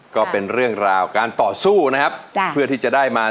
ก็เป็นเรื่องราวการต่อสู้นะครับจ้ะเพื่อที่จะได้มา